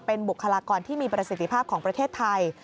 เป็นบุคลากรที่มีประสิทธิภาพของประเทศไทย